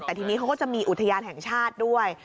แต่ทีนี้เขาก็จะมีอุทยานแห่งชาติด้วย